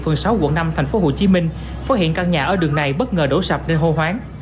phường sáu quận năm tp hcm phát hiện căn nhà ở đường này bất ngờ đổ sập nên hô hoáng